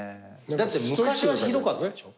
だって昔はひどかったんでしょ？